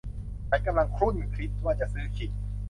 ฉันกำลังครุ่นคิดว่าจะซื้อขิง